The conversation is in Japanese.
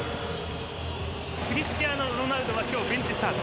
クリスチアーノロナウドは今日、ベンチスタート。